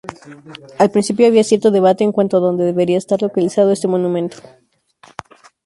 Al principio había cierto debate en cuanto a dónde debería estar localizado este monumento.